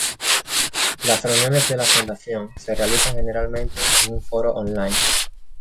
Las reuniones de la Fundación se realizan generalmente en un foro online.